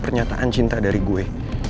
pernyataan cinta dari gue